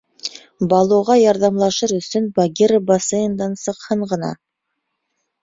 Балуға ярҙамлашыр өсөн Багира бассейндан сыҡһын ғына...